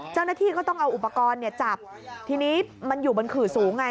เจ้าหน้าที่ก็ต้องเอาอุปกรณ์เนี่ยจับทีนี้มันอยู่บนขื่อสูงไง